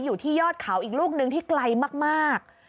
อยู่ที่ยอดเขาอีกลูกนึงที่ไกลมาก